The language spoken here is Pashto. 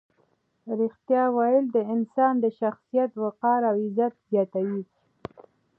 ریښتیا ویل د انسان د شخصیت وقار او عزت زیاتوي.